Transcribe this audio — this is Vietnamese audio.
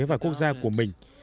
và quốc gia của mình